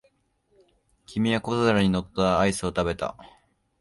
君は小皿に乗ったアイスを食べた。